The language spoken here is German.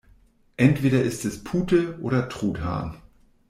Entweder ist es Pute oder Truthahn.